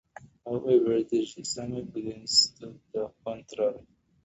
However, there is some evidence to the contrary.